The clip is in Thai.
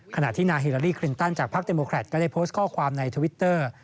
ขณะที่นางฮิลาลีคลินตันจากพักเตโมแครตก็ได้โพสต์ข้อความในทวิตเตอร์